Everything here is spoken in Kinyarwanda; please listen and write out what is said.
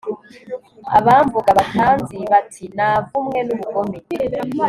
abamvuga batanzi bati navumwe n' ubugome